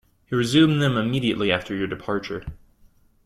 He resumed them immediately after your departure.